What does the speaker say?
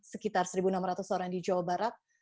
sekitar satu enam ratus orang di jawa barat